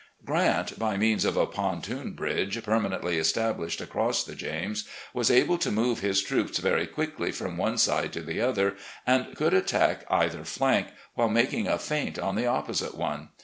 ..." Grant, by means of a pontoon bridge, permanently established across the James, was able to move his troops very quickly from one side to the other, and could attack either flank, while making a feint on the opposite one.